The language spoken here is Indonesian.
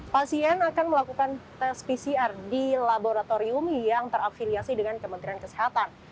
pasien akan melakukan tes pcr di laboratorium yang terafiliasi dengan kementerian kesehatan